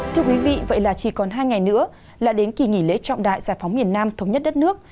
thưa quý vị vậy là chỉ còn hai ngày nữa là đến kỳ nghỉ lễ trọng đại giải phóng miền nam thống nhất đất nước